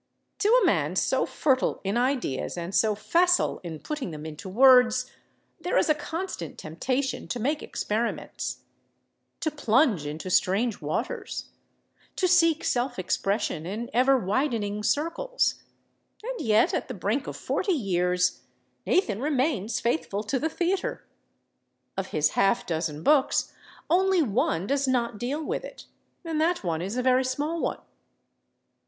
To a man so fertile in ideas and so facile in putting them into words there is a constant temptation to make experiments, to plunge into strange waters, to seek self expression in ever widening circles. And yet, at the brink of forty years, Nathan remains faithful to the theater; of his half dozen books, only one does not deal with it, and that one is a very small one.